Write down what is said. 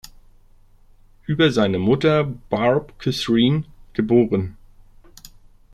Über seine Mutter Barbe-Catherine, geb.